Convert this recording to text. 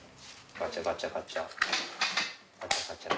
ガチャガチャガチャ。